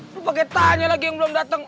lu pake tanya lagi yang belum dateng